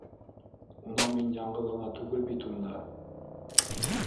Унан мин яңғыҙ ғына түгел бит унда.